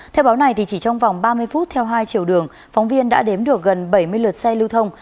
theo báo này thì chỉ trong vòng ba mươi phút theo hai chiều đường phóng viên đã đếm được gần bảy mươi lượt xe lưu thông